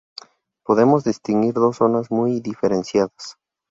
Podemos distinguir dos zonas muy diferenciadas.